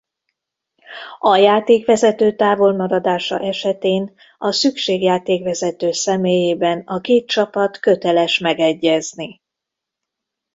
A játékvezető távolmaradása esetén a szükség-játékvezető személyében a két csapat köteles megegyezni.